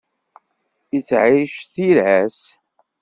Yettεic s tira-s.